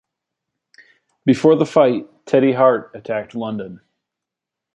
Before the fight, Teddy Hart attacked London.